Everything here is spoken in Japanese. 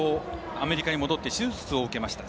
アメリカに戻って手術を受けました。